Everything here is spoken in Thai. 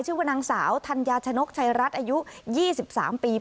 ชื่อว่านางสาวธัญญาชนกชัยรัฐอายุ๒๓ปี